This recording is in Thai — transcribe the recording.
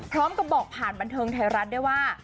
พร้อมกับบอกผ่านบันเทิงไทยรัฐด้วยว่า